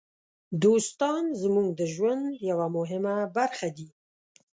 دوستان زموږ د ژوند یوه مهمه برخه دي.